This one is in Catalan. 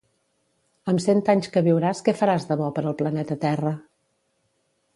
Amb cent anys que viuràs que faràs de bo per al planeta Terra?